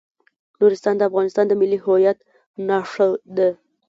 نورستان د افغانستان د ملي هویت نښه ده.